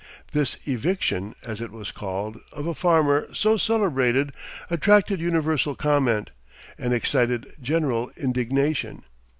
This "eviction," as it was called, of a farmer so celebrated attracted universal comment, and excited general indignation.